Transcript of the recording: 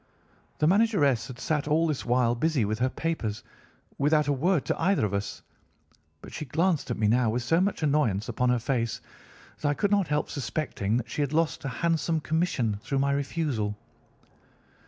"The manageress had sat all this while busy with her papers without a word to either of us, but she glanced at me now with so much annoyance upon her face that I could not help suspecting that she had lost a handsome commission through my refusal.